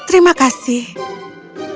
kau tak mau menjual cincin ini padaku